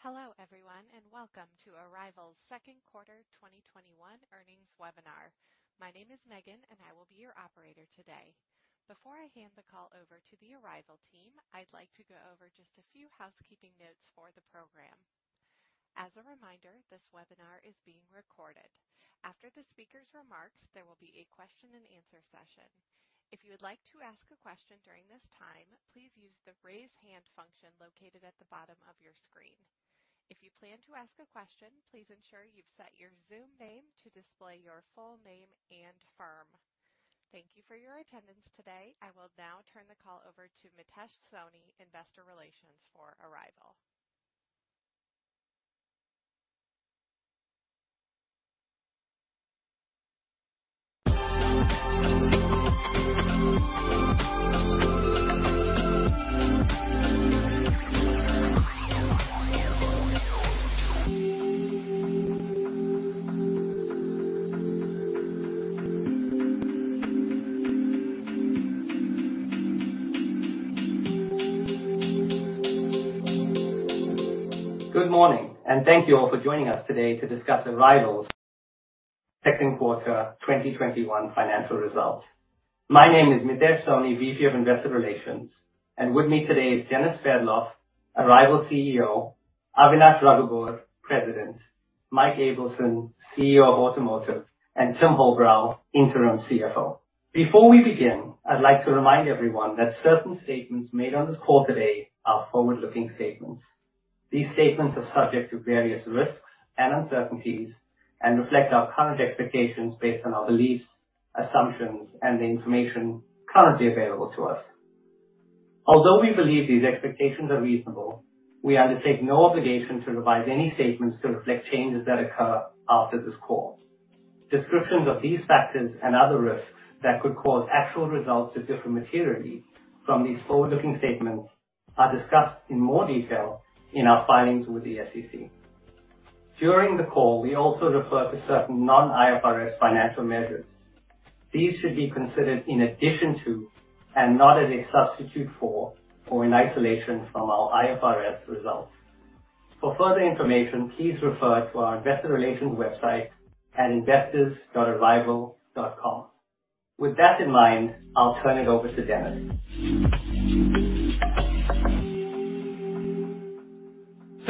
Hello, everyone, and welcome to Arrival's second quarter 2021 earnings webinar. My name is Megan, and I will be your operator today. Before I hand the call over to the Arrival team, I would like to go over just a few housekeeping notes for the program. As a reminder, this webinar is being recorded. After the speaker's remarks, there will be a question and answer session. If you would like to ask a question during this time, please use the raise hand function located at the bottom of your screen. If you plan to ask a question, please ensure you have set your Zoom name to display your full name and firm. Thank you for your attendance today. I will now turn the call over to Mitesh Soni, investor relations for Arrival. Good morning. Thank you all for joining us today to discuss Arrival's second quarter 2021 financial results. My name is Mitesh Soni, VP of Investor Relations. With me today is Denis Sverdlov, Arrival CEO, Avinash Rugoobur, President, Mike Ableson, CEO of Automotive, and Tim Holbrow, Interim CFO. Before we begin, I'd like to remind everyone that certain statements made on this call today are forward-looking statements. These statements are subject to various risks and uncertainties and reflect our current expectations based on our beliefs, assumptions, and the information currently available to us. Although we believe these expectations are reasonable, we undertake no obligation to revise any statements to reflect changes that occur after this call. Descriptions of these factors and other risks that could cause actual results to differ materially from these forward-looking statements are discussed in more detail in our filings with the SEC. During the call, we also refer to certain non-IFRS financial measures. These should be considered in addition to, and not as a substitute for, or in isolation from our IFRS results. For further information, please refer to our investor relations website at investors.arrival.com. With that in mind, I'll turn it over to Denis.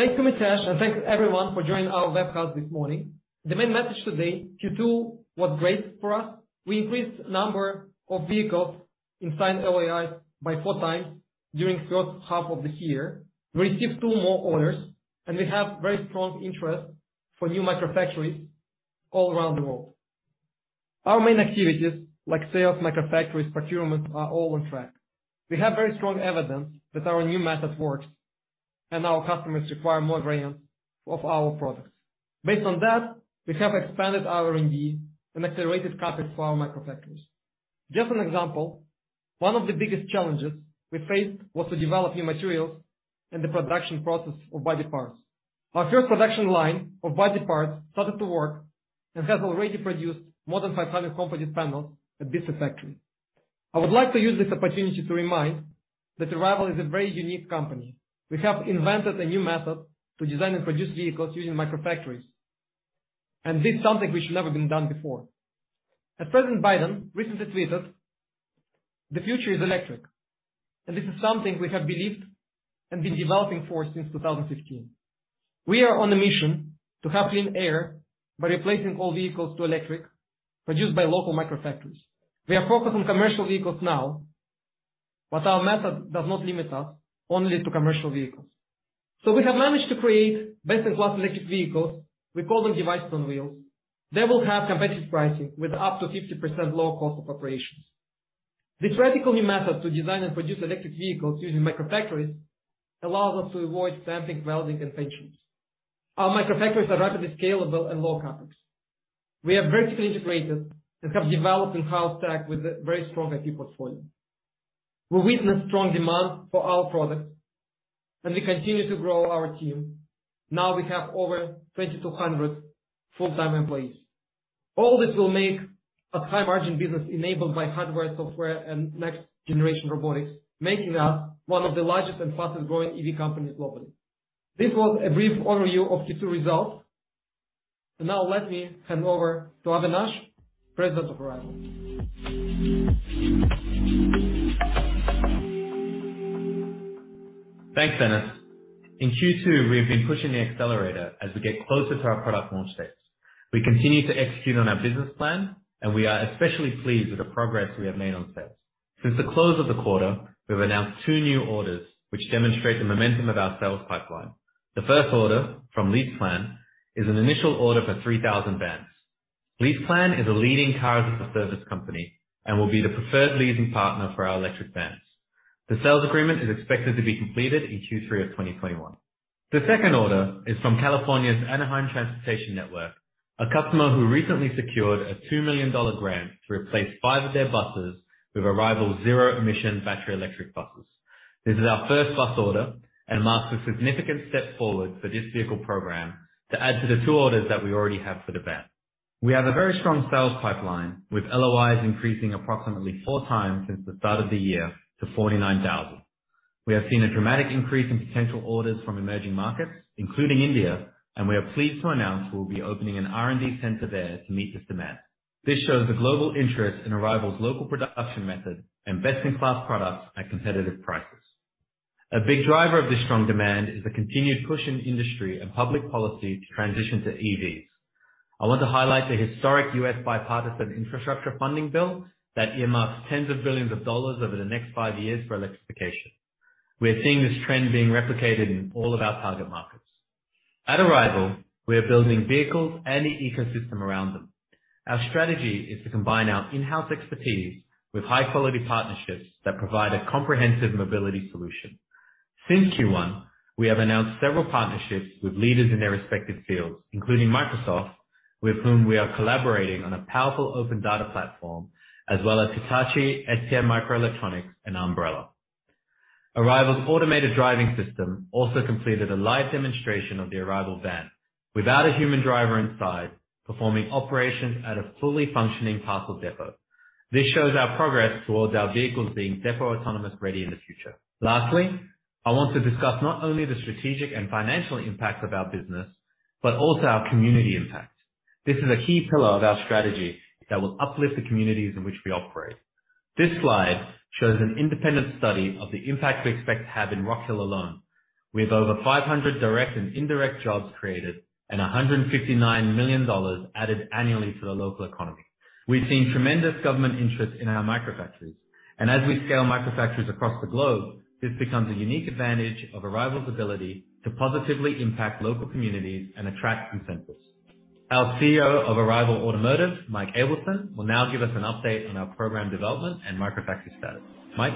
Thanks to Mitesh, thanks, everyone, for joining our webcast this morning. The main message today, Q2 was great for us. We increased number of vehicles inside LOI by four times during first half of the year. We received two more orders, and we have very strong interest for new microfactories all around the world. Our main activities, like sales, microfactories, procurement, are all on track. We have very strong evidence that our new methods work, and our customers require more variants of our products. Based on that, we have expanded our R&D and accelerated CapEx for our microfactories. Just an example, one of the biggest challenges we faced was to develop new materials and the production process of body parts. Our first production line of body parts started to work and has already produced more than 500 composite panels at this factory. I would like to use this opportunity to remind that Arrival is a very unique company. We have invented a new method to design and produce vehicles using microfactories, and this is something which never been done before. As President Biden recently tweeted, "The future is electric." This is something we have believed and been developing for since 2015. We are on a mission to have clean air by replacing all vehicles to electric, produced by local microfactories. We are focused on commercial vehicles now, but our method does not limit us only to commercial vehicles. We have managed to create best-in-class electric vehicles. We call them devices on wheels. They will have competitive pricing with up to 50% lower cost of operations. This radical new method to design and produce electric vehicles using microfactories allows us to avoid stamping, welding, and engines. Our microfactories are rapidly scalable and low CapEx. We are vertically integrated and have developed in-house tech with a very strong IP portfolio. We witness strong demand for our products, and we continue to grow our team. Now we have over 2,200 full-time employees. All this will make a high-margin business enabled by hardware, software, and next generation robotics, making us one of the largest and fastest growing EV companies globally. This was a brief overview of Q2 results. Now let me hand over to Avinash Rugoobur, President of Arrival. Thanks, Denis. In Q2, we have been pushing the accelerator as we get closer to our product launch date. We continue to execute on our business plan, and we are especially pleased with the progress we have made on sales. Since the close of the quarter, we've announced two new orders, which demonstrate the momentum of our sales pipeline. The first order from LeasePlan is an initial order for 3,000 vans. LeasePlan is a leading car-as-a-service company and will be the preferred leasing partner for our electric vans. The sales agreement is expected to be completed in Q3 of 2021. The second order is from California's Anaheim Transportation Network, a customer who recently secured a $2 million grant to replace five of their buses with Arrival zero emission battery electric buses. This is our 1st bus order and marks a significant step forward for this vehicle program to add to the two orders that we already have for the van. We have a very strong sales pipeline, with LOIs increasing approximately four times since the start of the year to 49,000. We have seen a dramatic increase in potential orders from emerging markets, including India, and we are pleased to announce we'll be opening an R&D center there to meet this demand. This shows the global interest in Arrival's local production method and best-in-class products at competitive prices. A big driver of this strong demand is the continued push in industry and public policy to transition to EVs. I want to highlight the historic U.S. bipartisan infrastructure funding bill that earmarks tens of billions of dollars over the next five years for electrification. We are seeing this trend being replicated in all of our target markets. At Arrival, we are building vehicles and the ecosystem around them. Our strategy is to combine our in-house expertise with high-quality partnerships that provide a comprehensive mobility solution. Since Q1, we have announced several partnerships with leaders in their respective fields, including Microsoft, with whom we are collaborating on a powerful open data platform, as well as Hitachi, STMicroelectronics, and Ambarella. Arrival's automated driving system also completed a live demonstration of the Arrival Van, without a human driver inside, performing operations at a fully functioning parcel depot. This shows our progress towards our vehicles being depot autonomous ready in the future. Lastly, I want to discuss not only the strategic and financial impact of our business, but also our community impact. This is a key pillar of our strategy that will uplift the communities in which we operate. This slide shows an independent study of the impact we expect to have in Rock Hill alone. We have over 500 direct and indirect jobs created and EUR 159 million added annually to the local economy. We've seen tremendous government interest in our microfactories, as we scale microfactories across the globe, this becomes a unique advantage of Arrival's ability to positively impact local communities and attract consensus. Our CEO of Arrival Automotive, Mike Ableson, will now give us an update on our program development and microfactory status. Mike?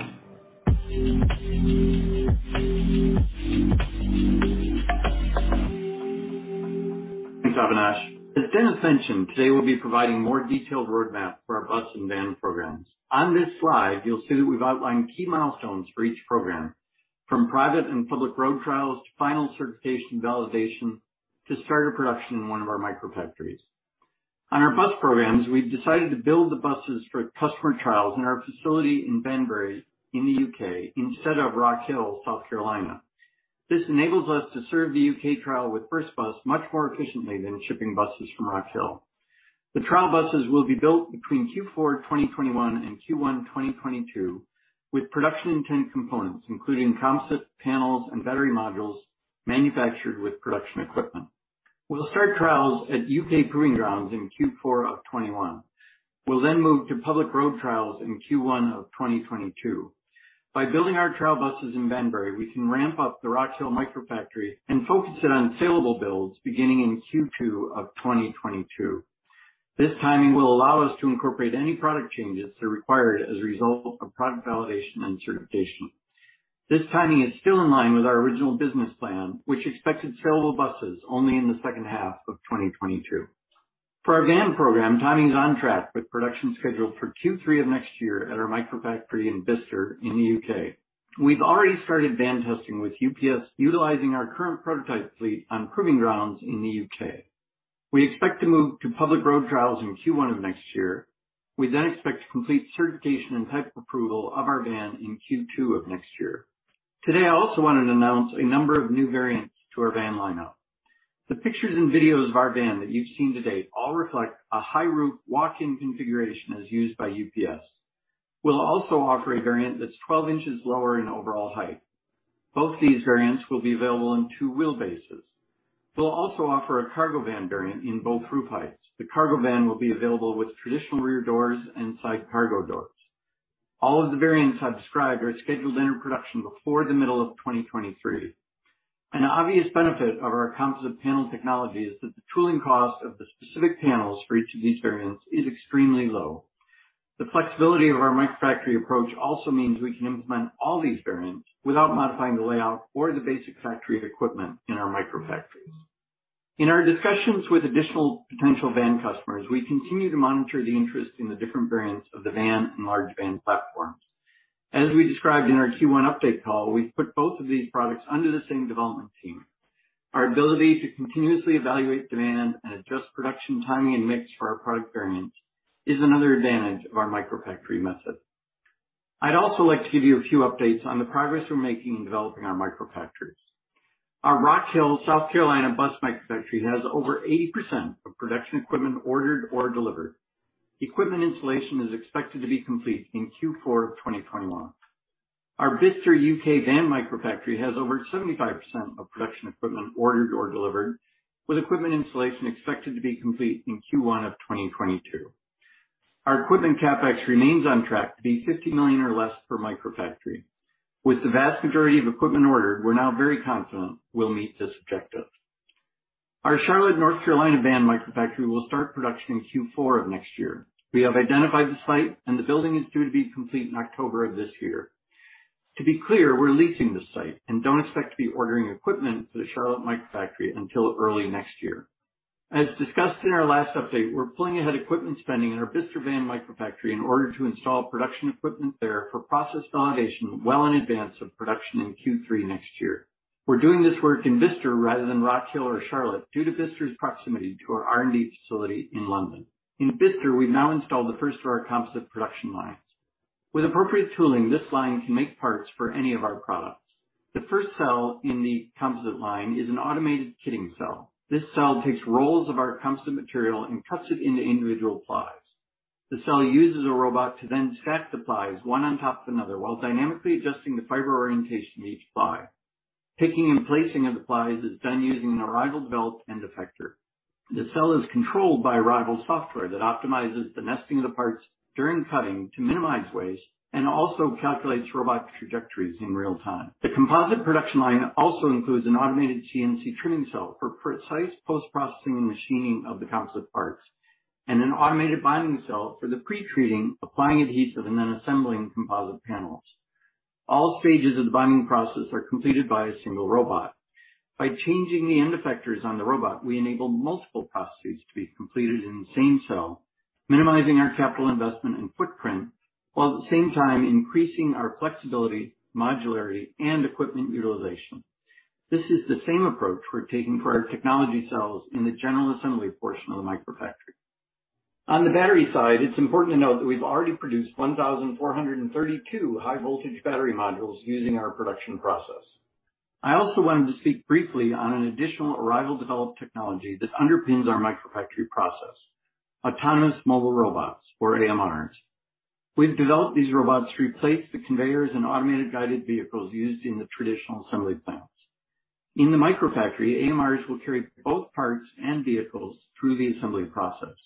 Thanks, Avinash. As Denis mentioned, today we'll be providing more detailed roadmap for our Arrival Bus and Arrival Van programs. On this slide, you'll see that we've outlined key milestones for each program, from private and public road trials to final certification validation to starter production in one of our Microfactories. On our Arrival Bus programs, we've decided to build the buses for customer trials in our facility in Banbury in the U.K. instead of Rock Hill, South Carolina. This enables us to serve the U.K. trial with First Bus much more efficiently than shipping buses from Rock Hill. The trial buses will be built between Q4 2021 and Q1 2022 with production intent components, including composite panels and battery modules manufactured with production equipment. We'll start trials at U.K. proving grounds in Q4 of 2021. We'll move to public road trials in Q1 of 2022. By building our trial buses in Banbury, we can ramp up the Rock Hill Microfactory and focus it on sellable builds beginning in Q2 of 2022. This timing will allow us to incorporate any product changes that are required as a result of product validation and certification. This timing is still in line with our original business plan, which expected sellable buses only in the second half of 2022. For our van program, timing is on track with production scheduled for Q3 of next year at our Microfactory in Bicester in the U.K. We've already started van testing with UPS, utilizing our current prototype fleet on proving grounds in the U.K. We expect to move to public road trials in Q1 of next year. We expect to complete certification and type approval of our van in Q2 of next year. Today, I also wanted to announce a number of new variants to our van lineup. The pictures and videos of our van that you've seen to date all reflect a high-roof walk-in configuration as used by UPS. We'll also offer a variant that's 12 inches lower in overall height. Both these variants will be available in two wheelbases. We'll also offer a cargo van variant in both roof heights. The cargo van will be available with traditional rear doors and side cargo doors. All of the variants I've described are scheduled to enter production before the middle of 2023. An obvious benefit of our composite panel technology is that the tooling cost of the specific panels for each of these variants is extremely low. The flexibility of our Microfactory approach also means we can implement all these variants without modifying the layout or the basic factory equipment in our Microfactories. In our discussions with additional potential van customers, we continue to monitor the interest in the different variants of the van and large van platforms. As we described in our Q1 update call, we've put both of these products under the same development team. Our ability to continuously evaluate demand and adjust production timing and mix for our product variants is another advantage of our microfactory method. I'd also like to give you a few updates on the progress we're making in developing our microfactories. Our Rock Hill, South Carolina bus microfactory has over 80% of production equipment ordered or delivered. Equipment installation is expected to be complete in Q4 2021. Our Bicester, U.K. van microfactory has over 75% of production equipment ordered or delivered, with equipment installation expected to be complete in Q1 of 2022. Our equipment CapEx remains on track to be 50 million or less per microfactory. With the vast majority of equipment ordered, we're now very confident we'll meet this objective. Our Charlotte, North Carolina van Microfactory will start production in Q4 of next year. We have identified the site, and the building is due to be complete in October of this year. To be clear, we're leasing this site and don't expect to be ordering equipment for the Charlotte Microfactory until early next year. As discussed in our last update, we're pulling ahead equipment spending in our Bicester van Microfactory in order to install production equipment there for process validation well in advance of production in Q3 next year. We're doing this work in Bicester rather than Rock Hill or Charlotte due to Bicester's proximity to our R&D facility in London. In Bicester, we've now installed the first of our composite production lines. With appropriate tooling, this line can make parts for any of our products. The first cell in the composite line is an automated kitting cell. This cell takes rolls of our composite material and cuts it into individual plies. The cell uses a robot to then stack the plies one on top of another, while dynamically adjusting the fiber orientation of each ply. Picking and placing of the plies is done using an Arrival-built end effector. The cell is controlled by Arrival software that optimizes the nesting of the parts during cutting to minimize waste, and also calculates robot trajectories in real time. The composite production line also includes an automated CNC trimming cell for precise post-processing and machining of the composite parts, and an automated binding cell for the pre-treating, applying adhesive, and then assembling composite panels. All stages of the binding process are completed by a single robot. By changing the end effectors on the robot, we enable multiple processes to be completed in the same cell, minimizing our capital investment and footprint, while at the same time increasing our flexibility, modularity, and equipment utilization. This is the same approach we're taking for our technology cells in the general assembly portion of the Microfactory. On the battery side, it's important to note that we've already produced 1,432 high-voltage battery modules using our production process. I also wanted to speak briefly on an additional Arrival-developed technology that underpins our Microfactory process, autonomous mobile robots or AMRs. We've developed these robots to replace the conveyors and automated guided vehicles used in the traditional assembly plants. In the Microfactory, AMRs will carry both parts and vehicles through the assembly process.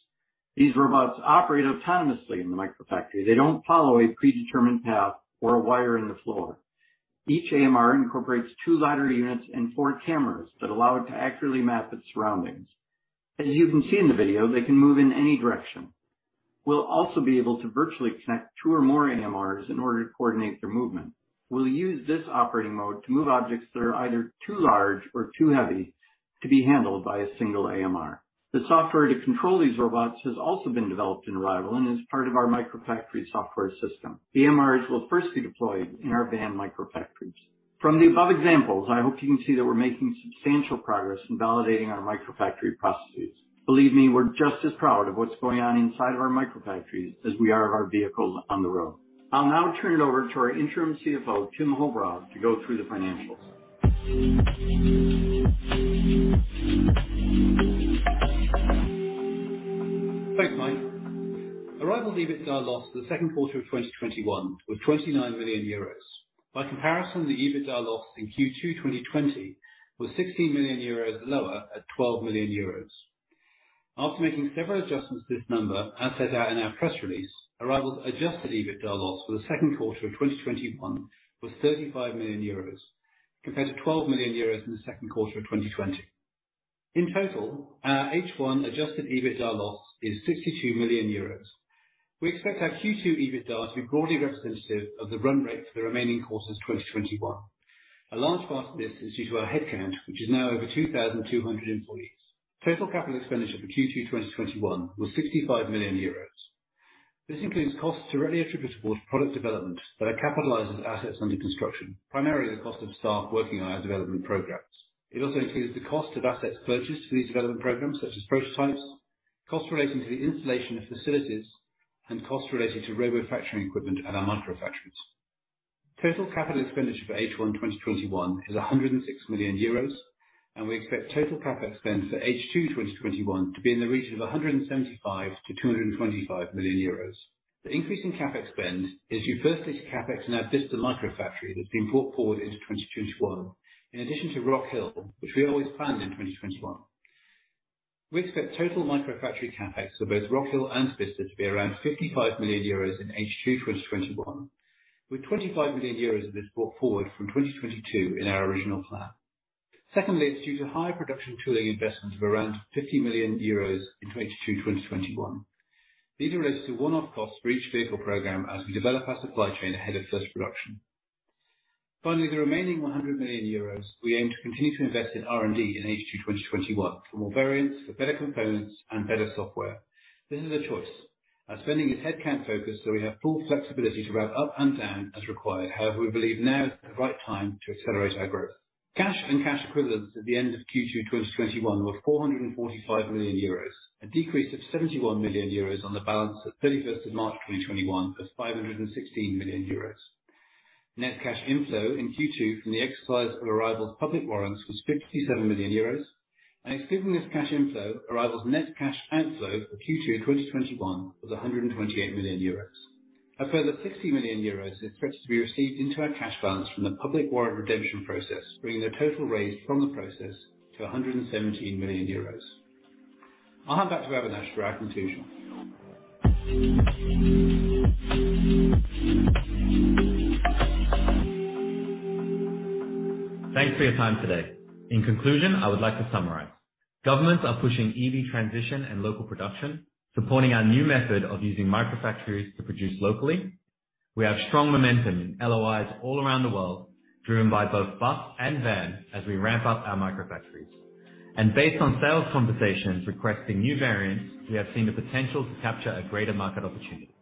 These robots operate autonomously in the Microfactory. They don't follow a predetermined path or a wire in the floor. Each AMR incorporates two lidar units and four cameras that allow it to accurately map its surroundings. As you can see in the video, they can move in any direction. We'll also be able to virtually connect two or more AMRs in order to coordinate their movement. We'll use this operating mode to move objects that are either too large or too heavy to be handled by a single AMR. The software to control these robots has also been developed in Arrival and is part of our Microfactory software system. The AMRs will first be deployed in our Van Microfactories. From the above examples, I hope you can see that we're making substantial progress in validating our Microfactory processes. Believe me, we're just as proud of what's going on inside of our Microfactories as we are of our vehicles on the road. I'll now turn it over to our interim CFO, Tim Holbrow, to go through the financials. Thanks, Mike. Arrival's EBITDA loss for the second quarter of 2021 was 29 million euros. By comparison, the EBITDA loss in Q2 2020 was 16 million euros lower at 12 million euros. After making several adjustments to this number, as set out in our press release, Arrival's adjusted EBITDA loss for the second quarter of 2021 was 35 million euros, compared to 12 million euros in the second quarter of 2020. In total, our H1 adjusted EBITDA loss is EUR 62 million. We expect our Q2 EBITDA to be broadly representative of the run rate for the remaining course of 2021. A large part of this is due to our headcount, which is now over 2,200 employees. Total capital expenditure for Q2 2021 was EUR 65 million. This includes costs directly attributable to product development that are capitalized as assets under construction, primarily the cost of staff working on our development programs. It also includes the cost of assets purchased for these development programs, such as prototypes, costs relating to the installation of facilities, and costs relating to robofacturing equipment at our Microfactories. Total capital expenditure for H1 2021 is 106 million euros. We expect total CapEx spend for H2 2021 to be in the region of 175 million-225 million euros. The increase in CapEx spend is due firstly to CapEx in our Bicester Microfactory that's been brought forward into 2021, in addition to Rock Hill, which we always planned in 2021. We expect total Microfactory CapEx for both Rock Hill and Bicester to be around 55 million euros in H2 2021, with 25 million euros of this brought forward from 2022 in our original plan. Secondly, it's due to higher production tooling investments of around EUR 50 million in H2 2021. These are related to one-off costs for each vehicle program as we develop our supply chain ahead of first production. Finally, the remaining 100 million euros we aim to continue to invest in R&D in H2 2021 for more variants, for better components, and better software. This is a choice. Our spending is headcount-focused, so we have full flexibility to ramp up and down as required. However, we believe now is the right time to accelerate our growth. Cash and cash equivalents at the end of Q2 2021 were 445 million euros, a decrease of 71 million euros on the balance at 31st of March 2021 of 516 million euros. Net cash inflow in Q2 from the exercise of Arrival's public warrants was 67 million euros, and excluding this cash inflow, Arrival's net cash outflow for Q2 2021 was 128 million euros. A further 60 million euros is expected to be received into our cash balance from the public warrant redemption process, bringing the total raised from the process to 117 million euros. I'll hand back to Avinash for our conclusion. Thanks for your time today. In conclusion, I would like to summarize. Governments are pushing EV transition and local production, supporting our new method of using microfactories to produce locally. We have strong momentum in LOIs all around the world, driven by both Bus and Van, as we ramp up our microfactories. Based on sales conversations requesting new variants, we have seen the potential to capture a greater market opportunity.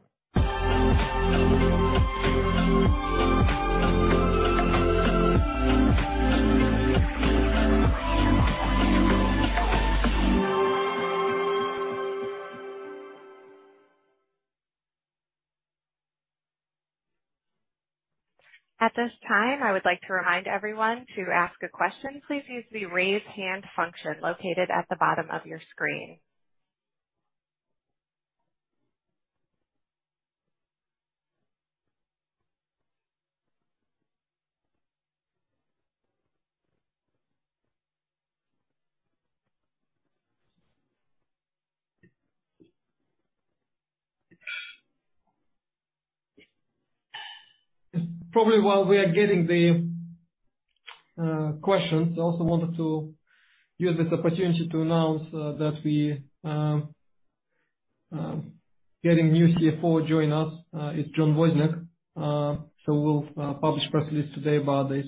At this time, I would like to remind everyone, to ask a question, please use the Raise Hand function located at the bottom of your screen. Probably while we are getting the questions, I also wanted to use this opportunity to announce that we are getting a new CFO to join us. It's John Wozniak. We'll publish a press release today about this.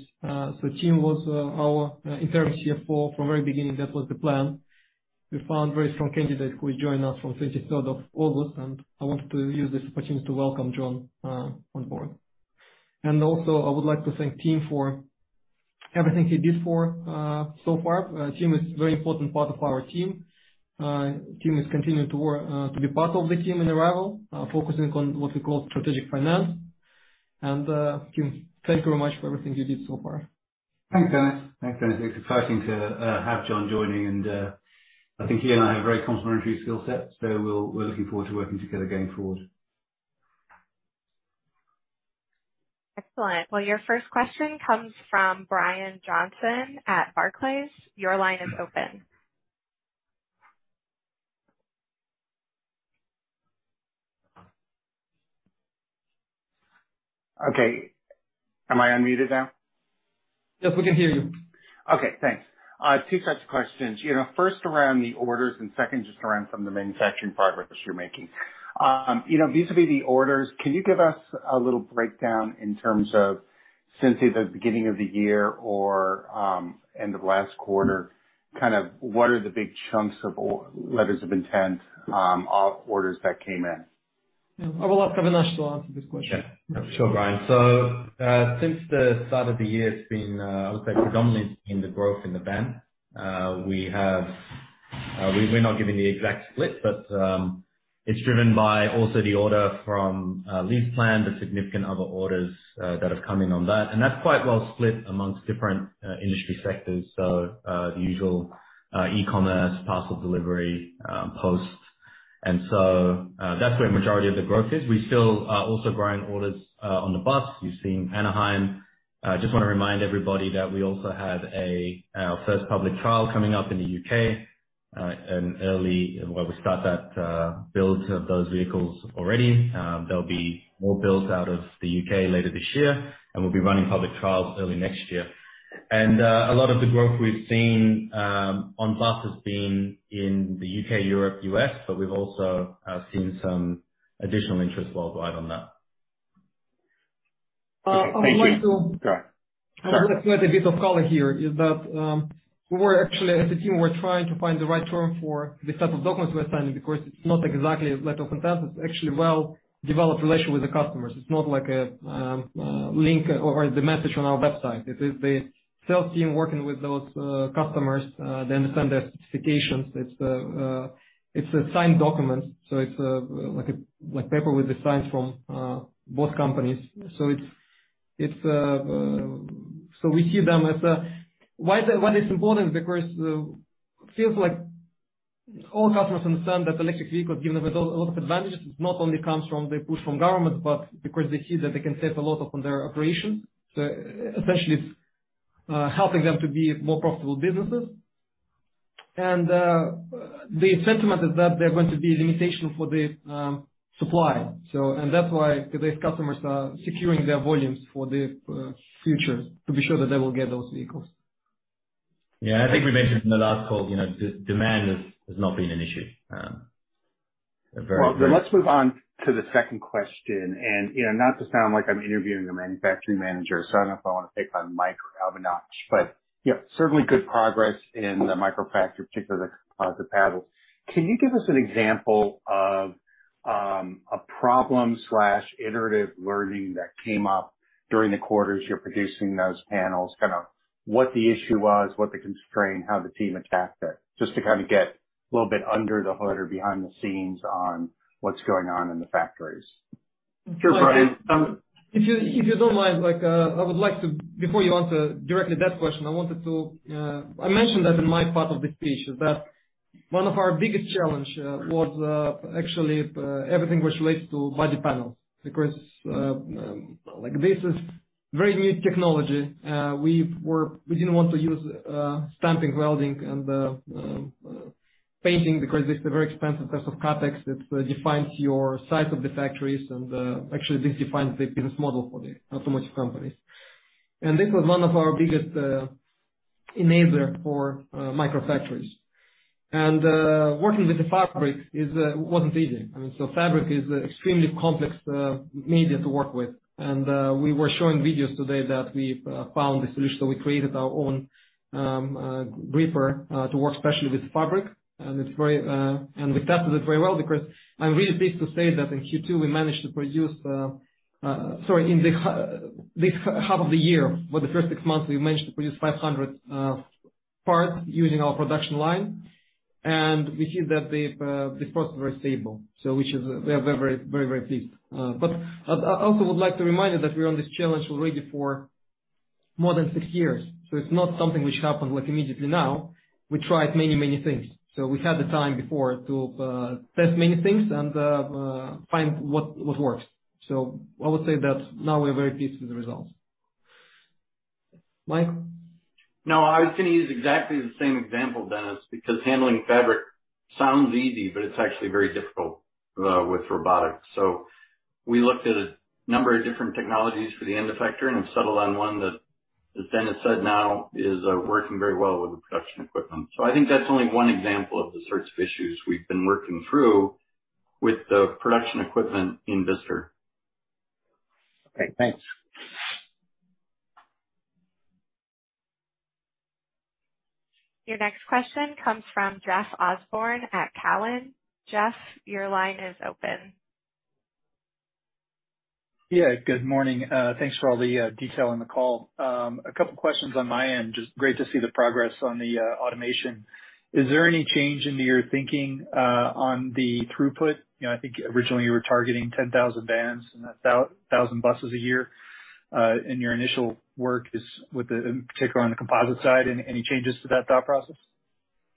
Tim was our interim CFO from the very beginning. That was the plan. We found a very strong candidate who will join us from the 23rd of August, and I wanted to use this opportunity to welcome John on board. Also, I would like to thank Tim for everything he did so far. Tim is a very important part of our team. Tim has continued to be part of the team in Arrival, focusing on what we call strategic finance. Tim, thank you very much for everything you did so far. Thanks, Denis. It's exciting to have John joining, and I think he and I have very complementary skill sets, so we're looking forward to working together going forward. Excellent. Well, your first question comes from Brian Johnson at Barclays. Your line is open. Okay. Am I unmuted now? Yes, we can hear you. Okay, thanks. Two sets of questions. First around the orders and second just around some of the manufacturing progress you're making. Vis-a-vis the orders, can you give us a little breakdown in terms of since the beginning of the year or end of last quarter, what are the big chunks of letters of intent of orders that came in? I will ask Avinash to answer this question. Sure, Brian. Since the start of the year, it's been, I would say, predominantly in the growth in the Arrival Van. We're not giving the exact split, but it's driven by also the order from LeasePlan, the significant other orders that have come in on that. That's quite well split amongst different industry sectors, so the usual e-commerce, parcel delivery, post. That's where the majority of the growth is. We're still also growing orders on the Arrival Bus. You've seen Anaheim. Just want to remind everybody that we also have our first public trial coming up in the U.K., well, we start that build of those vehicles already. There'll be more builds out of the U.K. later this year, and we'll be running public trials early next year. A lot of the growth we've seen on bus has been in the U.K., Europe, U.S., but we've also seen some additional interest worldwide on that. Thank you. I would like to- Sure. I would like to add a bit of color here, is that we're actually, as a team, trying to find the right term for the type of documents we are signing, because it's not exactly a letter of intent. It's actually a well-developed relationship with the customers. It's not like a link or the message on our website. It is the sales team working with those customers. They understand their specifications. It's a signed document, so it's like paper with the signatures from both companies. Why that is important is because it feels like all customers understand that electric vehicles give them a lot of advantages. It not only comes from the push from Government, but because they see that they can save a lot on their operations. Essentially, it's helping them to be more profitable businesses. The sentiment is that there are going to be limitations for the supply. That's why today's customers are securing their volumes for the future, to be sure that they will get those vehicles. Yeah, I think we mentioned in the last call, demand has not been an issue. Well, let's move on to the second question. Not to sound like I'm interviewing the manufacturing manager, so I don't know if I want to pick on Mike or Avinash, but certainly good progress in the Microfactory, particularly the panels. Can you give us an example of a problem/iterative learning that came up during the quarters you're producing those panels? Kind of what the issue was, what the constraint, how the team attacked it, just to get a little bit under the hood or behind the scenes on what's going on in the factories. Sure, Brian. If you don't mind, I would like to, before you answer directly that question, I wanted to I mentioned that in my part of the speech, that one of our biggest challenges was actually everything which relates to body panels. This is very new technology. We didn't want to use stamping, welding, and painting because it's a very expensive type of CapEx that defines your size of the factories, and actually, this defines the business model for the automotive companies. This was one of our biggest enabler for microfactories. Working with the fabric wasn't easy. Fabric is an extremely complex media to work with. We were showing videos today that we've found the solution, so we created our own gripper to work especially with fabric. We tested it very well, because I'm really pleased to say that in Q2 we managed to produce, sorry, in this half of the year, for the first six months, we managed to produce 500 parts using our production line, and we see that the parts are very stable. We are very pleased. I also would like to remind you that we're on this challenge already for more than six years. It's not something which happened immediately now. We tried many things. We had the time before to test many things and find what works. I would say that now we are very pleased with the results. Mike? No, I was going to use exactly the same example, Denis, because handling fabric sounds easy, but it's actually very difficult with robotics. We looked at a number of different technologies for the end effector and then settled on one that, as Denis said, now is working very well with the production equipment. I think that's only one example of the sorts of issues we've been working through with the production equipment in Bicester. Okay, thanks. Your next question comes from Jeff Osborne at Cowen. Jeff, your line is open. Yeah, good morning. Thanks for all the detail on the call. A couple questions on my end. Just great to see the progress on the automation. Is there any change into your thinking on the throughput? I think originally you were targeting 10,000 vans and 1,000 buses a year. In your initial work, in particular on the composite side, any changes to that thought process?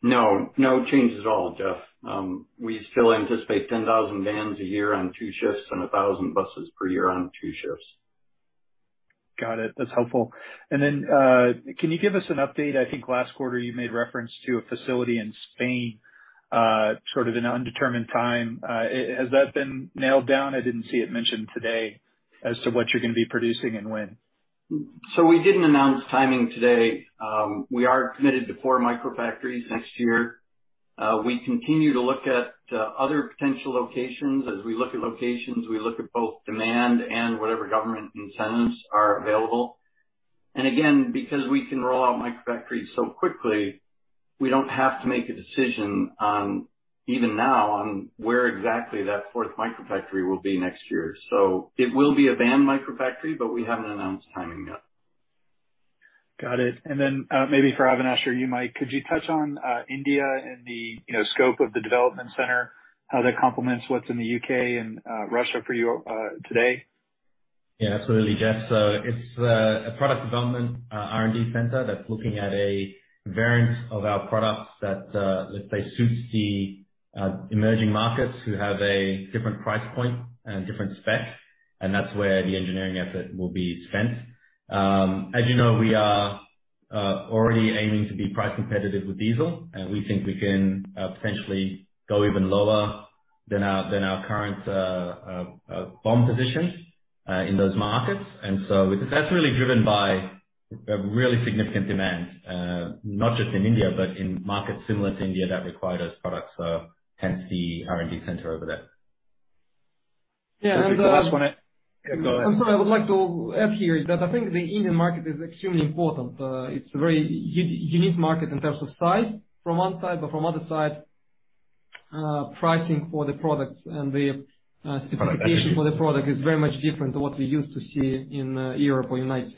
No changes at all, Jeff. We still anticipate 10,000 vans a year on two shifts and 1,000 buses per year on two shifts. Got it. That's helpful. Can you give us an update, I think last quarter you made reference to a facility in Spain, sort of an undetermined time. Has that been nailed down? I didn't see it mentioned today as to what you're going to be producing and when. We didn't announce timing today. We are committed to four Microfactories next year. We continue to look at other potential locations. As we look at locations, we look at both demand and whatever government incentives are available. Again, because we can roll out Microfactories so quickly, we don't have to make a decision, even now, on where exactly that fourth Microfactory will be next year. It will be a van Microfactory, but we haven't announced timing yet. Got it. Maybe for Avinash or you, Mike, could you touch on India and the scope of the development center, how that complements what's in the U.K. and Russia for you today? Absolutely, Jeff. It's a product development R&D center that's looking at a variant of our products that, let's say, suits the emerging markets who have a different price point and a different spec, and that's where the engineering effort will be spent. As you know, we are already aiming to be price competitive with diesel, and we think we can potentially go even lower than our current BOM position in those markets. That's really driven by a really significant demand, not just in India, but in markets similar to India that require those products, hence the R&D center over there. Yeah, and The last one I. Yeah, go ahead. I'm sorry. I would like to add here is that I think the Indian market is extremely important. It's a very unique market in terms of size from one side, but from other side, pricing for the products and the specification for the product is very much different to what we're used to see in Europe or U.S.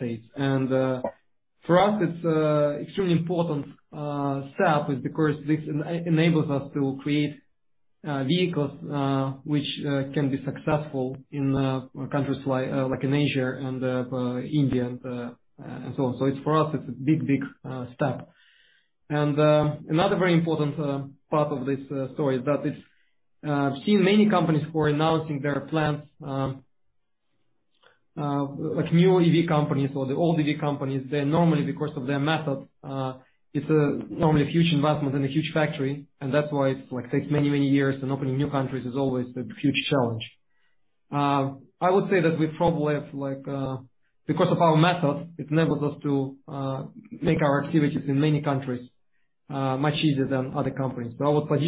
For us, it's extremely important step is because this enables us to create vehicles which can be successful in countries like in Asia and India and so on. For us it's a big step. Another very important part of this story is that I've seen many companies who are announcing their plans, like new EV companies or the old EV companies, they normally, because of their method, it's normally a huge investment and a huge factory, and that's why it takes many years, and opening new countries is always a huge challenge. I would say that we probably have, because of our method, it enables us to make our activities in many countries much easier than other companies. I would probably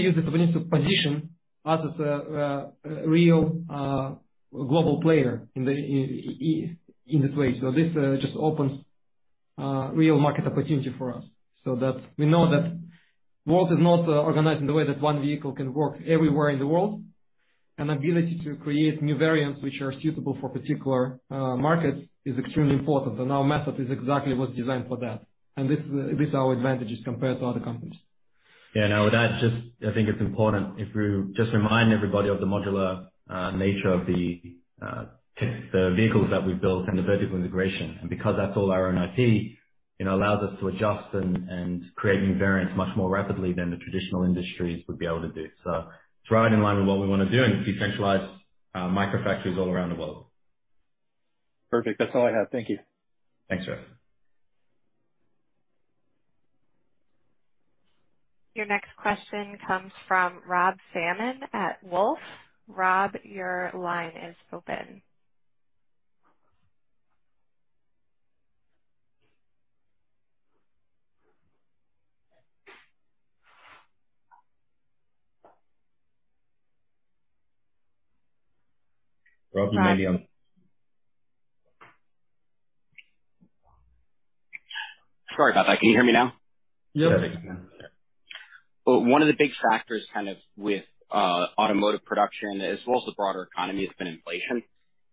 use this position as a real global player in this way. This just opens a real market opportunity for us. We know that world is not organized in the way that one vehicle can work everywhere in the world. An ability to create new variants which are suitable for particular markets is extremely important, and our method is exactly was designed for that. This is our advantages compared to other companies. No, that just, I think it's important if we just remind everybody of the modular nature of the vehicles that we've built and the vertical integration. Because that's all our own IT, it allows us to adjust and create new variants much more rapidly than the traditional industries would be able to do. It's right in line with what we want to do and decentralize microfactories all around the world. Perfect. That's all I have. Thank you. Thanks, Jeff. Your next question comes from Rod Lache at Wolfe Research. Rod, your line is open. Rod, you may be on Sorry about that. Can you hear me now? Yep. Yes. One of the big factors kind of with automotive production, as well as the broader economy, has been inflation.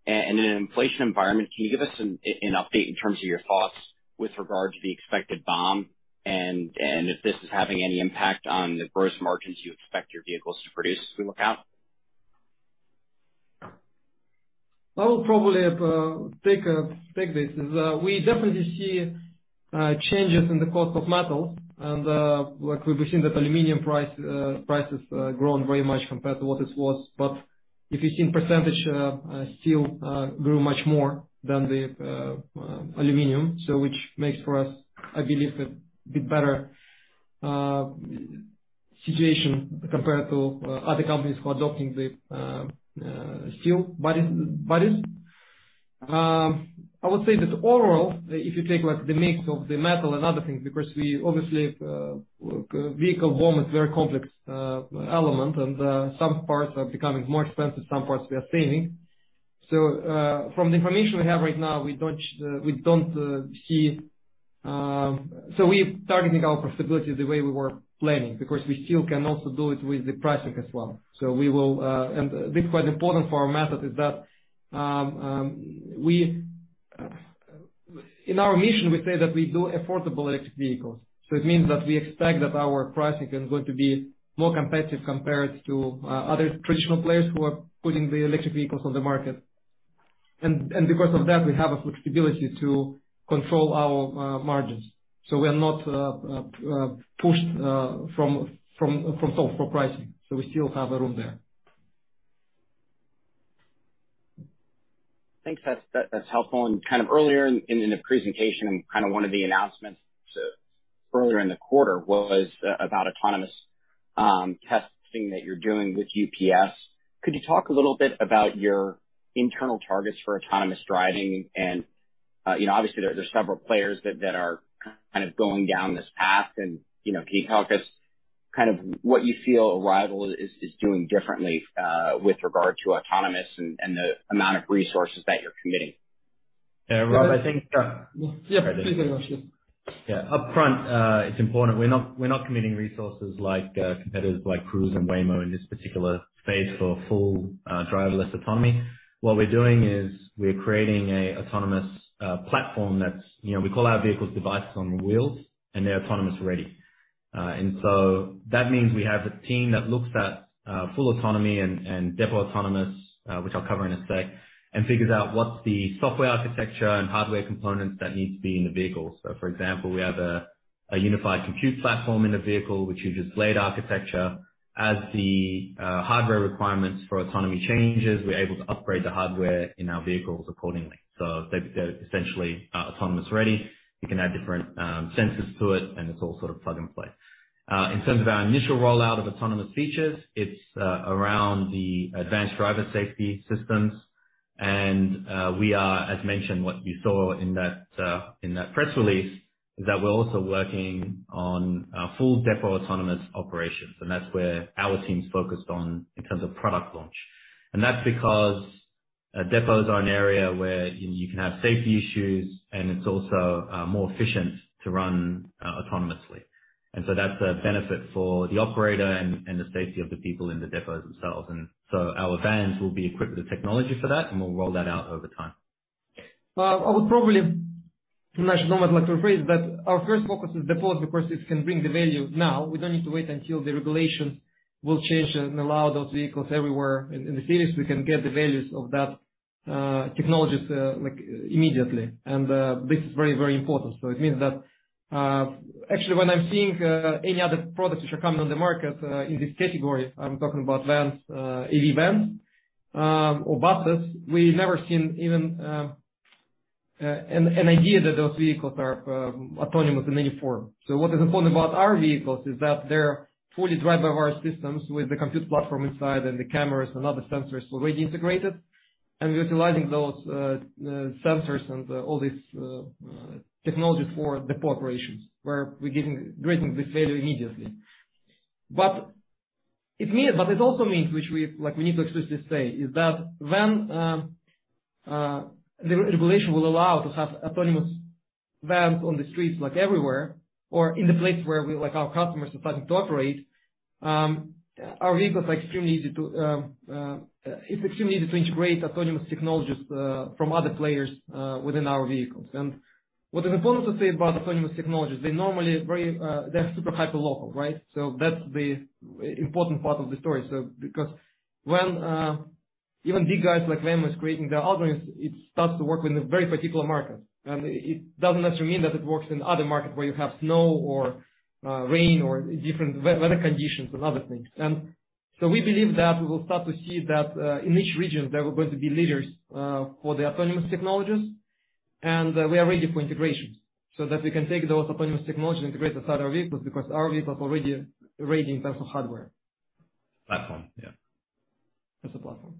In an inflation environment, can you give us an update in terms of your thoughts with regard to the expected BOM and if this is having any impact on the gross margins you expect your vehicles to produce as we look out? I will probably take this. We definitely see changes in the cost of metal and we've seen that aluminum price has grown very much compared to what it was. If you've seen percentage, steel grew much more than the aluminum. Which makes for us, I believe, a bit better situation compared to other companies who are adopting the steel bodies. I would say that overall, if you take the mix of the metal and other things, because obviously, vehicle BOM is very complex element, and some parts are becoming more expensive, some parts we are saving. From the information we have right now, we're targeting our profitability the way we were planning, because we still can also do it with the pricing as well. This is quite important for our method, is that in our mission, we say that we do affordable electric vehicles. It means that we expect that our pricing is going to be more competitive compared to other traditional players who are putting the electric vehicles on the market. Because of that, we have a flexibility to control our margins. We are not pushed from software pricing. We still have a room there. I think that's helpful. Earlier in the presentation, and one of the announcements earlier in the quarter was about autonomous testing that you're doing with UPS. Could you talk a little bit about your internal targets for autonomous driving? Obviously, there are several players that are going down this path, and can you talk us what you feel Arrival is doing differently with regard to autonomous and the amount of resources that you're committing? Yeah. Rod. Yeah. Please, go on. Sure. Upfront, it's important, we're not committing resources like competitors like Cruise and Waymo in this particular phase for full driverless autonomy. What we're doing is we're creating a autonomous platform that's. We call our vehicles devices on wheels, and they're autonomous-ready. That means we have a team that looks at full autonomy and depot autonomous, which I'll cover in one sec, and figures out what's the software architecture and hardware components that need to be in the vehicle. For example, we have a unified compute platform in the vehicle, which uses lidar architecture. As the hardware requirements for autonomy changes, we're able to upgrade the hardware in our vehicles accordingly. They're essentially autonomous-ready. You can add different sensors to it, and it's all sort of plug and play. In terms of our initial rollout of autonomous features, it's around the advanced driver safety systems. We are, as mentioned, what you saw in that press release, is that we're also working on full depot autonomous operations. That's where our team's focused on in terms of product launch. That's because depots are an area where you can have safety issues, and it's also more efficient to run autonomously. That's a benefit for the operator and the safety of the people in the depots themselves. Our vans will be equipped with the technology for that, and we'll roll that out over time. I would probably, and actually, Normally would like to rephrase, but our first focus is depots because it can bring the value now. We don't need to wait until the regulations will change and allow those vehicles everywhere in the cities. We can get the values of that technologies immediately. This is very important. It means that actually, when I'm seeing any other products which are coming on the market in this category, I'm talking about vans, AV vans, or buses, we've never seen even an idea that those vehicles are autonomous in any form. What is important about our vehicles is that they're fully driverless systems with the compute platform inside and the cameras and other sensors already integrated, and utilizing those sensors and all these technologies for depot operations, where we're getting this value immediately. It also means, which we need to explicitly say, is that when the regulation will allow to have autonomous vans on the streets everywhere or in the place where our customers are starting to operate, our vehicles are extremely easy to integrate autonomous technologies from other players within our vehicles. What is important to say about autonomous technologies, they're super hyper local, right? That's the important part of the story. Because when even big guys like Waymo is creating their algorithms, it starts to work in a very particular market. It doesn't necessarily mean that it works in other markets where you have snow or rain or different weather conditions and other things. We believe that we will start to see that in each region, there are going to be leaders for the autonomous technologies. We are ready for integration so that we can take those autonomous technologies and integrate with other vehicles, because our vehicles are ready in terms of hardware. Platform. Yeah. As a platform.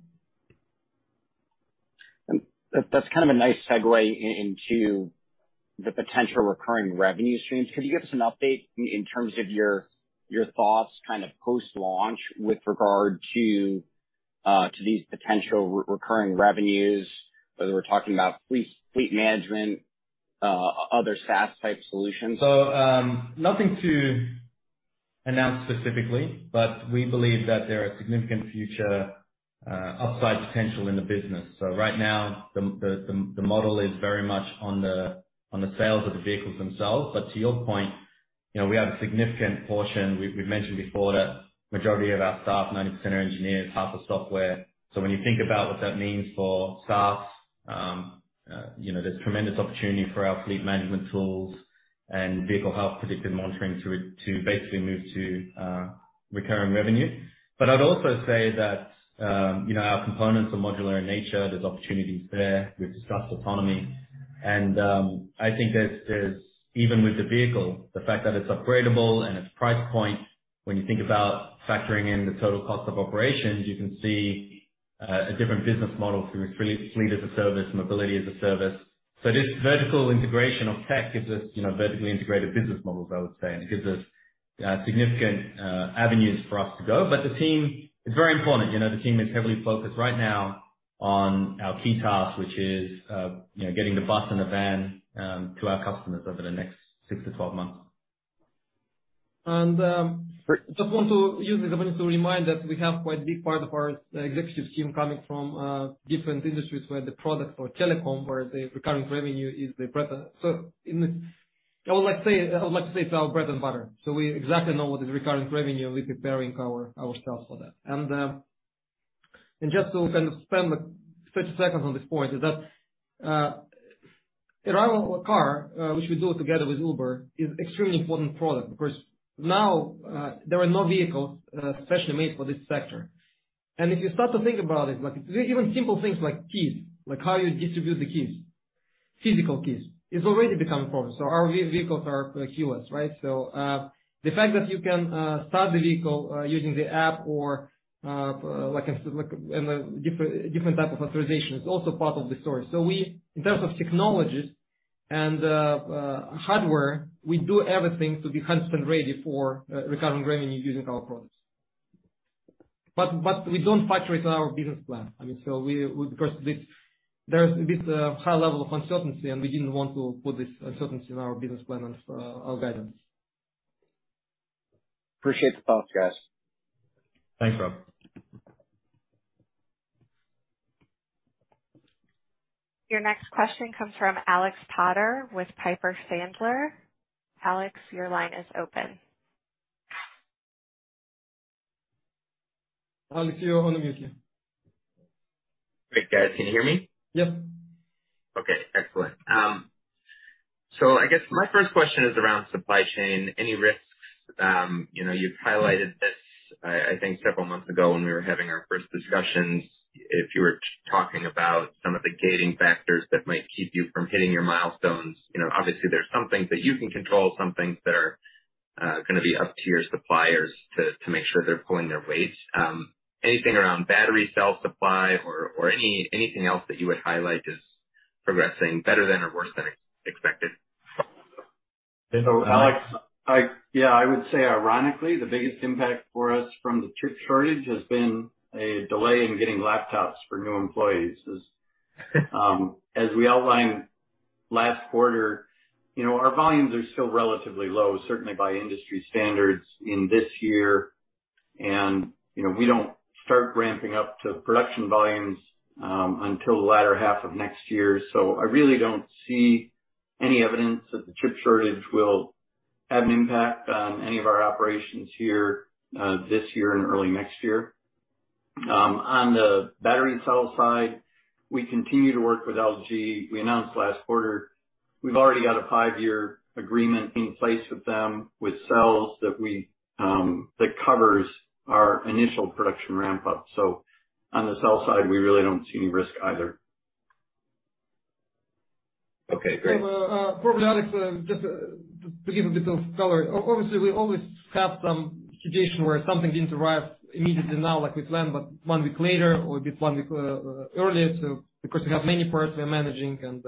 That's kind of a nice segue into the potential recurring revenue streams. Could you give us an update in terms of your thoughts post-launch with regard to these potential recurring revenues, whether we're talking about fleet management, other SaaS type solutions? Nothing to announce specifically, but we believe that there are significant future upside potential in the business. Right now, the model is very much on the sales of the vehicles themselves. To your point, we have a significant portion, we've mentioned before that majority of our staff, 90% are engineers, half are software. When you think about what that means for SaaS, there's tremendous opportunity for our fleet management tools and vehicle health predictive monitoring to basically move to recurring revenue. I'd also say that our components are modular in nature. There's opportunities there. We've discussed autonomy. I think there's, even with the vehicle, the fact that it's upgradeable and its price point, when you think about factoring in the total cost of operations, you can see a different business model through fleet as a service, mobility as a service. This vertical integration of tech gives us vertically integrated business models, I would say, and it gives us significant avenues for us to go. The team is very important. The team is heavily focused right now on our key task, which is getting the bus and the van to our customers over the next six to 12 months. Just want to use this opportunity to remind that we have quite a big part of our executive team coming from different industries where the product for telecom, where the recurring revenue is, I would like to say it's our bread and butter. We exactly know what is recurring revenue, and we're preparing ourselves for that. Just to spend, like, 30 seconds on this point is that, Arrival Car, which we do together with Uber, is extremely important product, because now there are no vehicles specially made for this sector. If you start to think about it, like, even simple things like keys, like how you distribute the keys, physical keys, is already becoming a problem. Our vehicles are keyless, right? The fact that you can start the vehicle using the app or different type of authorization is also part of the story. We, in terms of technologies and hardware, we do everything to be 100% ready for recurring revenue using our products. We don't factor it in our business plan. I mean, because there's this high level of uncertainty, and we didn't want to put this uncertainty in our business plan and our guidance. Appreciate the thoughts, guys. Thanks, Rod. Your next question comes from Alex Potter with Piper Sandler. Alex, your line is open. Alex, you're on mute. Great, guys. Can you hear me? Yep. Okay. Excellent. I guess my first question is around supply chain. Any risks? You've highlighted this, I think several months ago when we were having our first discussions. If you were talking about some of the gating factors that might keep you from hitting your milestones, obviously there's some things that you can control, some things that are going to be up to your suppliers to make sure they're pulling their weight. Anything around battery cell supply or anything else that you would highlight is progressing better than or worse than expected? Alex, yeah, I would say ironically, the biggest impact for us from the chip shortage has been a delay in getting laptops for new employees. As we outlined last quarter, our volumes are still relatively low, certainly by industry standards in this year. We don't start ramping up to production volumes until the latter half of next year. I really don't see any evidence that the chip shortage will have an impact on any of our operations here this year and early next year. On the battery cell side, we continue to work with LG. We announced last quarter we've already got a five-year agreement in place with them with cells that covers our initial production ramp up. On the cell side, we really don't see any risk either. Okay, great. Probably, Alex, just to give a bit of color. Obviously, we always have some situation where something didn't arrive immediately now, like we planned, but one week later or a bit one week earlier. Because we have many parts we are managing and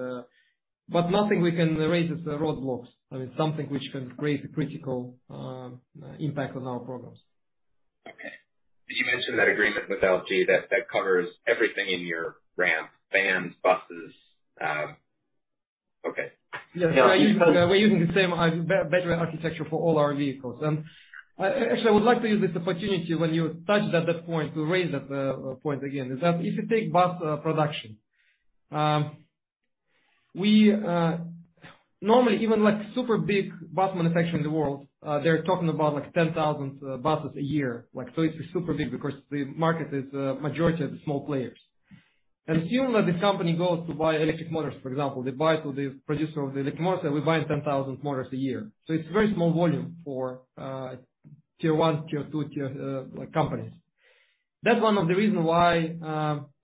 But nothing we can raise as the roadblocks. I mean, something which can create a critical impact on our programs. Okay. Did you mention that agreement with LG that covers everything in your ramp, vans, buses? Okay. We're using the same battery architecture for all our vehicles. I would like to use this opportunity when you touched at that point to raise that point again, is that if you take bus production. Normally, even super big bus manufacturer in the world, they're talking about 10,000 buses a year. It's super big because the market is majority of the small players. Assume that this company goes to buy electric motors, for example. They buy to the producer of the electric motor, say, "We're buying 10,000 motors a year." It's very small volume for tier one, tier two companies. That's one of the reasons why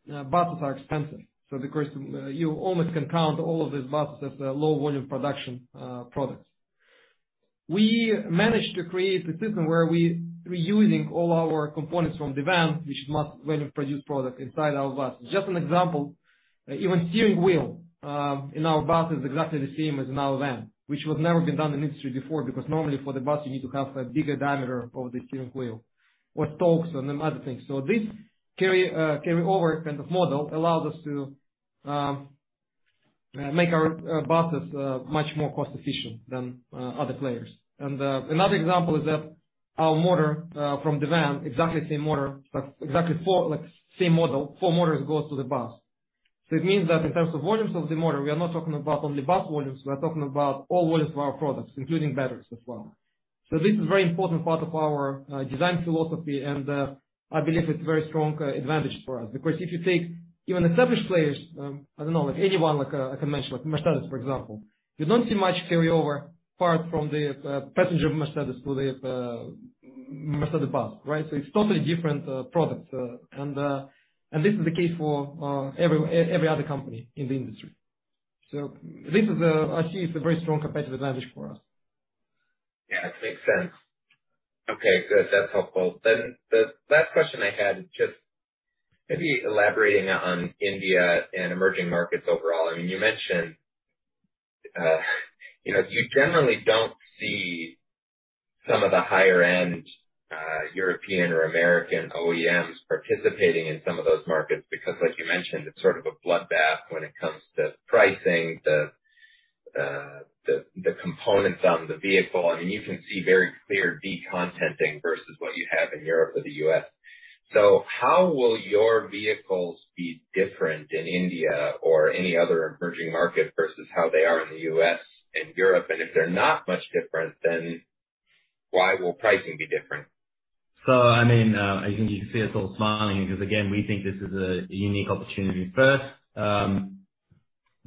buses are expensive. Because you almost can count all of these buses as low volume production products. We managed to create a system where we're reusing all our components from the Arrival Van, which mass-volume produce products inside our Arrival Bus. Just an example, even steering wheel in our Arrival Bus is exactly the same as in our Arrival Van. Which would never been done in industry before, because normally for the Arrival Bus, you need to have a bigger diameter of the steering wheel or stalks and other things. This carryover kind of model allows us to make our Arrival Buses much more cost-efficient than other players. Another example is that our motor from the Arrival Van, exactly the same model four motors goes to the Arrival Bus. It means that in terms of volumes of the motor, we are not talking about only Arrival Bus volumes, we are talking about all volumes of our products, including batteries as well. This is very important part of our design philosophy, and I believe it's very strong advantage for us. If you take even established players, I don't know, like anyone I can mention, like Mercedes, for example. You don't see much carryover apart from the passenger Mercedes to the Mercedes bus, right? It's totally different products. This is the case for every other company in the industry. This actually is a very strong competitive advantage for us. Yeah, it makes sense. Okay, good. That's helpful. The last question I had, just maybe elaborating on India and emerging markets overall. You mentioned, you generally don't see some of the higher end European or American OEMs participating in some of those markets because, like you mentioned, it's sort of a bloodbath when it comes to pricing, the components on the vehicle. You can see very clear de-contenting versus what you have in Europe or the U.S. How will your vehicles be different in India or any other emerging market versus how they are in the U.S. and Europe? If they're not much different, then why will pricing be different? I think you can see us all smiling because, again, we think this is a unique opportunity. First,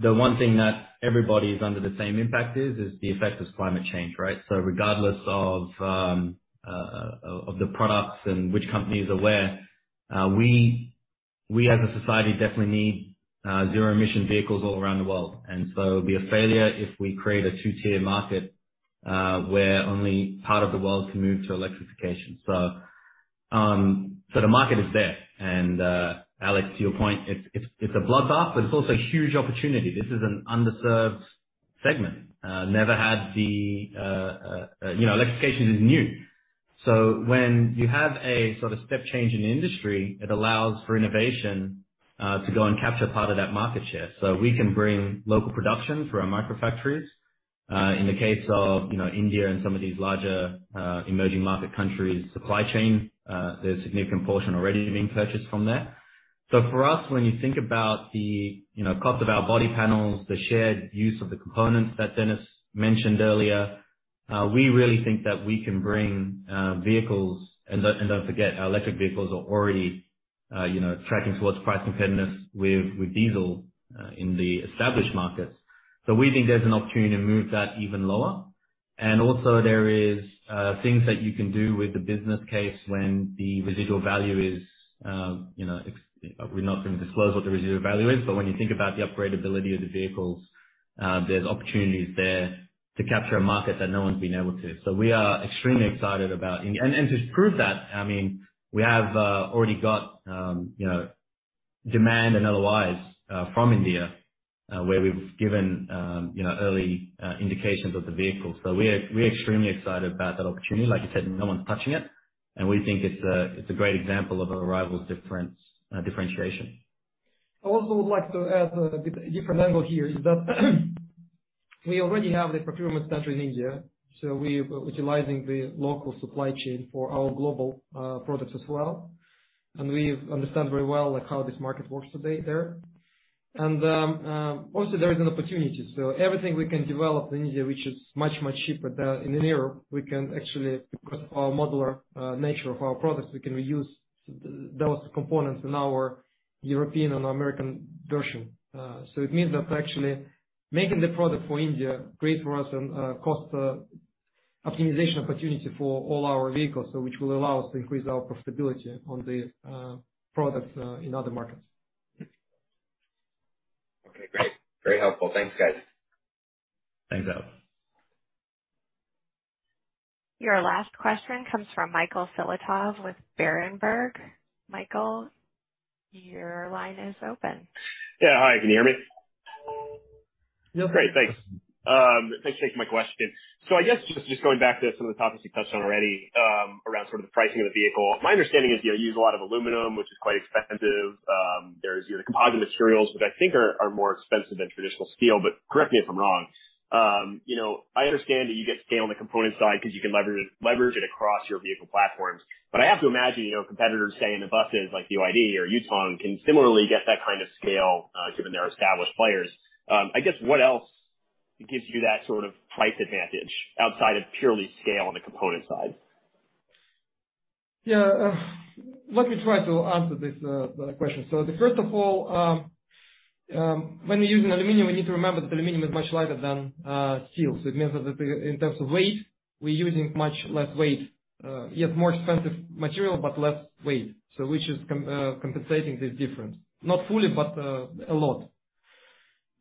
the one thing that everybody is under the same impact is, the effect of climate change, right? Regardless of the products and which companies are where, we as a society definitely need zero emission vehicles all around the world. It'll be a failure if we create a 2-tier market, where only part of the world can move to electrification. The market is there. Alex, to your point, it's a bloodbath, but it's also a huge opportunity. This is an underserved segment. Electrification is new. When you have a step change in industry, it allows for innovation to go and capture part of that market share. We can bring local production through our Microfactories. In the case of India and some of these larger emerging market countries supply chain, there's significant portion already being purchased from there. For us, when you think about the cost of our body panels, the shared use of the components that Denis mentioned earlier, we really think that we can bring vehicles, and don't forget, our electric vehicles are already tracking towards price competitiveness with diesel in the established markets. We think there's an opportunity to move that even lower. Also there is things that you can do with the business case when the residual value is, we're not going to disclose what the residual value is, but when you think about the upgradeability of the vehicles, there's opportunities there to capture a market that no one's been able to. We are extremely excited about India. To prove that, we have already got demand and LOIs from India, where we've given early indications of the vehicles. We're extremely excited about that opportunity. Like you said, no one's touching it, and we think it's a great example of Arrival's differentiation. I also would like to add a bit different angle here is that we already have the procurement center in India, so we're utilizing the local supply chain for our global products as well. We understand very well how this market works today there. Also, there is an opportunity. Everything we can develop in India, which is much, much cheaper than in Europe, we can actually, because our modular nature of our products, we can reuse those components in our European and American version. It means that actually making the product for India creates for us cost optimization opportunity for all our vehicles. Which will allow us to increase our profitability on the products in other markets. Okay, great. Very helpful. Thanks, guys. Thanks, Alex. Your last question comes from Michael Filatov with Berenberg. Michael, your line is open. Yeah. Hi, can you hear me? Yep. Great. Thanks. Thanks for taking my question. I guess just going back to some of the topics you touched on already, around the pricing of the vehicle. My understanding is you use a lot of aluminum, which is quite expensive. There's your composite materials, which I think are more expensive than traditional steel, but correct me if I'm wrong. I understand that you get scale on the component side because you can leverage it across your vehicle platforms. I have to imagine competitors, say, in the buses like BYD or Yutong can similarly get that kind of scale, given they're established players. I guess what else gives you that sort of price advantage outside of purely scale on the component side? Yeah. Let me try to answer this question. The first of all, when we're using aluminum, we need to remember that aluminum is much lighter than steel. It means that in terms of weight, we're using much less weight. Yes, more expensive material, but less weight. Which is compensating this difference. Not fully, but a lot.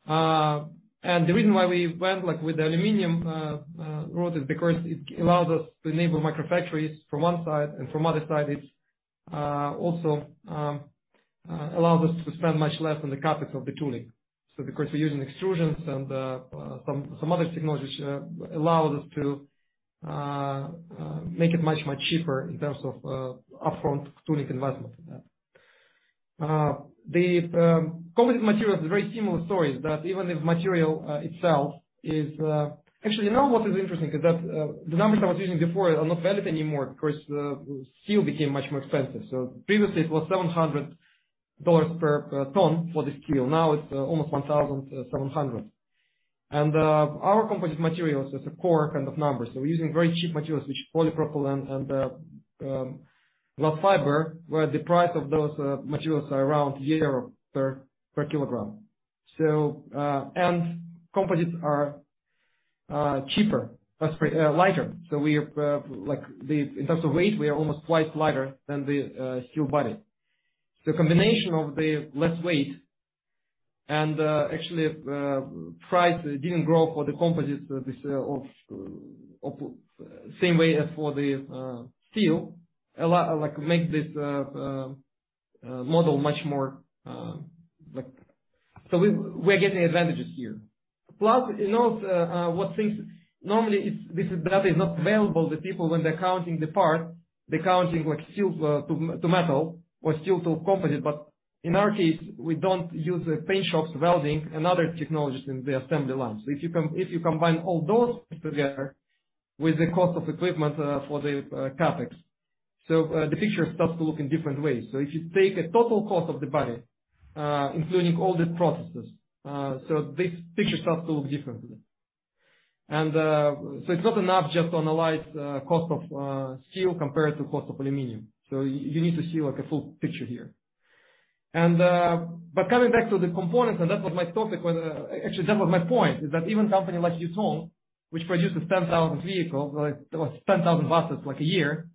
The reason why we went with the aluminum route is because it allows us to enable Microfactories from one side, and from other side, it also allows us to spend much less on the CapEx of the tooling. Because we're using extrusions and some other technologies, allows us to make it much cheaper in terms of upfront tooling investment. The composite material is a very similar story, that even if material itself is. Actually, you know what is interesting? Is that the numbers I was using before are not valid anymore because steel became much more expensive. Previously it was EUR 700 per ton for the steel, now it's almost 1,700. Our composite materials is a core kind of number. We're using very cheap materials, which polypropylene and glass fiber, where the price of those materials are around EUR 1 per kilogram. Composites are cheaper, lighter. In terms of weight, we are almost twice lighter than the steel body. The combination of the less weight and actually price didn't grow for the composites the same way as for the steel, make this model much more. We're getting advantages here. Plus, you know, Normally, this data is not available. The people, when they're counting the part, they're counting steel to metal or steel to composite, but in our case, we don't use paint shops, welding and other technologies in the assembly lines. If you combine all those together with the cost of equipment for the CapEx, the picture starts to look in different ways. If you take a total cost of the body, including all the processes, this picture starts to look differently. It's not enough just to analyze cost of steel compared to cost of aluminum. You need to see a full picture here. Coming back to the components, and that was my topic, actually, that was my point, is that even company like Yutong, which produces 10,000 vehicles, or 10,000 buses, a year,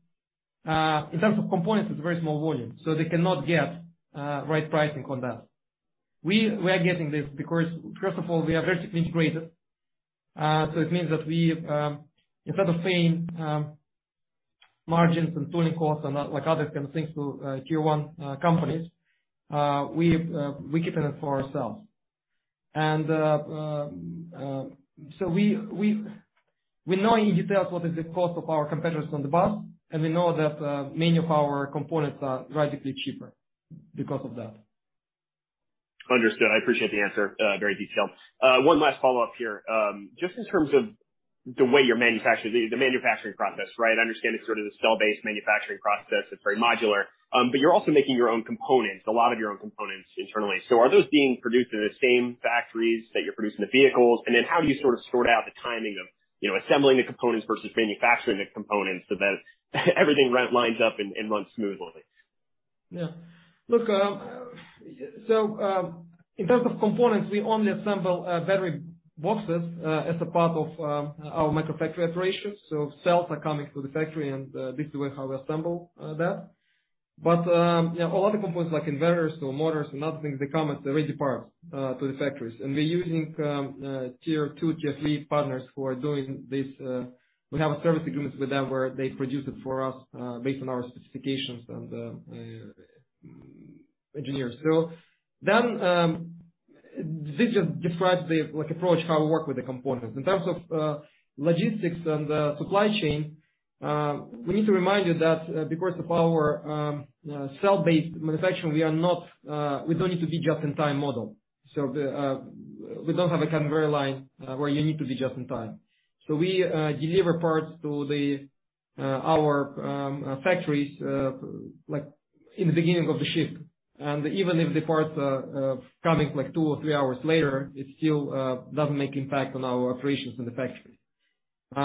in terms of components, it's very small volume. They cannot get right pricing on that. We are getting this because, first of all, we are vertically integrated. It means that we, instead of paying margins and tooling costs and other kind of things to tier one companies, we keep that for ourselves. We know in details what is the cost of our competitors on the bus, and we know that many of our components are radically cheaper because of that. Understood. I appreciate the answer. Very detailed. One last follow-up here. Just in terms of the way you're manufacturing, the manufacturing process, right? I understand it's sort of the cell-based manufacturing process. It's very modular. You're also making your own components, a lot of your own components internally. Are those being produced in the same factories that you're producing the vehicles? How do you sort of sort out the timing of assembling the components versus manufacturing the components so that everything lines up and runs smoothly? In terms of components, we only assemble battery boxes, as a part of our Microfactory operations. Cells are coming to the factory, and this is way how we assemble that. A lot of components like inverters or motors and other things, they come as ready parts, to the factories. We're using tier two, tier three partners who are doing this. We have a service agreement with them where they produce it for us, based on our specifications and, engineers. This just describes the approach, how we work with the components. In terms of logistics and supply chain, we need to remind you that, because of our cell-based manufacturing, we don't need to be just-in-time model. We don't have a conveyor line where you need to be just in time. We deliver parts to our factories in the beginning of the shift. Even if the parts are coming two or three hours later, it still doesn't make impact on our operations in the factory. We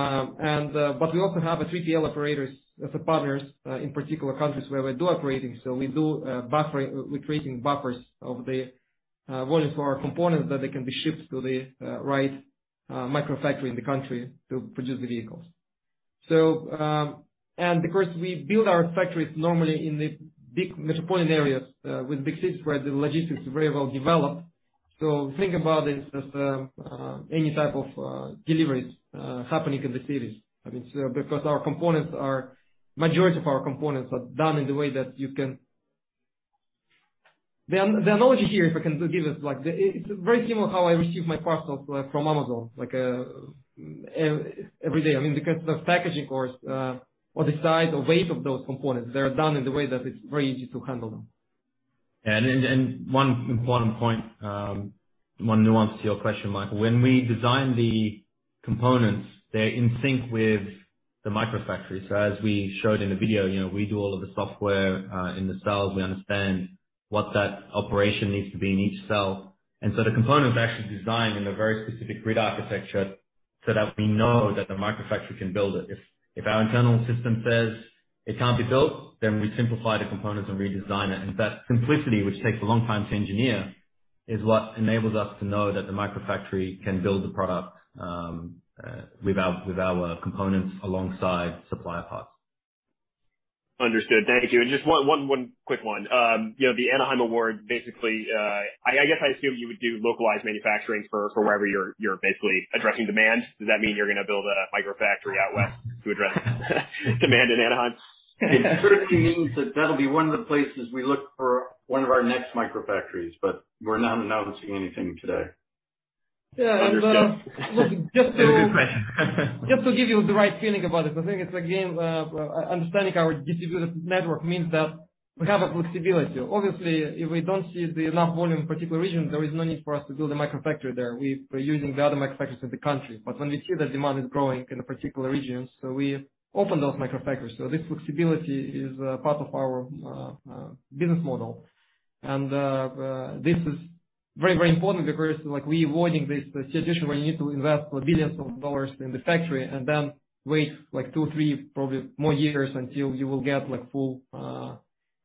also have 3PL operators as partners, in particular countries where we do operating. We're creating buffers of the volume for our components that they can be shipped to the right Microfactory in the country to produce the vehicles. Because we build our factories normally in the big metropolitan areas, with big cities where the logistics is very well developed. Think about it as any type of deliveries happening in the cities. Majority of our components are done in the way that you can The analogy here, if I can give it's very similar how I receive my parcels from Amazon, like, everyday. I mean, because the packaging or the size or weight of those components, they are done in the way that it's very easy to handle them. One important point, one nuance to your question, Michael. When we design the components, they're in sync with the microfactory. As we showed in the video, we do all of the software, in the cells. We understand what that operation needs to be in each cell. The component was actually designed in a very specific grid architecture so that we know that the microfactory can build it. If our internal system says it can't be built, then we simplify the components and redesign it. That simplicity, which takes a long time to engineer, is what enables us to know that the microfactory can build the product with our components alongside supplier parts. Understood. Thank you. Just one quick one. The Anaheim award, basically, I guess I assume you would do localized manufacturing for wherever you're basically addressing demand. Does that mean you're going to build a Microfactory out west to address demand in Anaheim? It certainly means that that'll be one of the places we look for one of our next Microfactories. We're not announcing anything today. Understood. Look. It's a good question. Just to give you the right feeling about it, I think it's, again, understanding our distributed network means that we have a flexibility. Obviously, if we don't see enough volume in a particular region, there is no need for us to build a Microfactory there. We're using the other Microfactories in the country. When we see the demand is growing in a particular region, we open those Microfactories. This flexibility is part of our business model. This is very important because we're avoiding this situation where you need to invest billions of EUR in the factory and then wait two, three probably more years until you will get full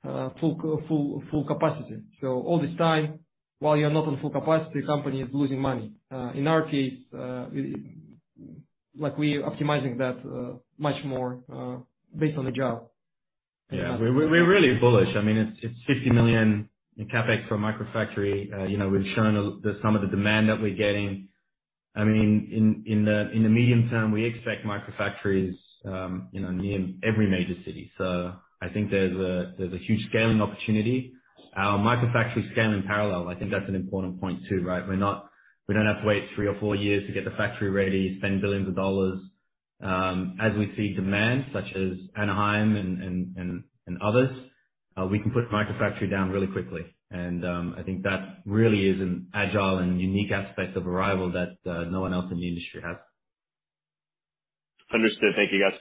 capacity. All this time, while you're not on full capacity, company is losing money. In our case, we are optimizing that much more based on the job. Yeah. We're really bullish. It's 50 million in CapEx for a microfactory. We've shown some of the demand that we're getting. In the medium term, we expect microfactories near every major city. I think there's a huge scaling opportunity. Our microfactories scale in parallel. I think that's an important point, too. We don't have to wait three or four years to get the factory ready, spend billions of EUR. As we see demand, such as Anaheim and others, we can put a microfactory down really quickly. I think that really is an agile and unique aspect of Arrival that no one else in the industry has. Understood. Thank you, guys.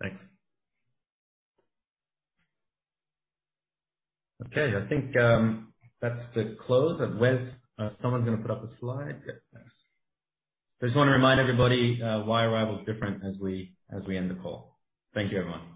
Thanks. Okay, I think that's the close. Wes, someone's going to put up a slide? Yeah, thanks. Just want to remind everybody why Arrival is different as we end the call. Thank you, everyone. Thank you.